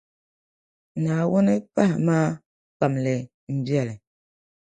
Naawuni pahimi a kpamli m biɛli.